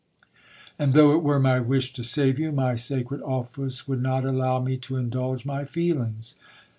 And though it were my wish to save you, my sacred office would not allow me to indulge my feelings.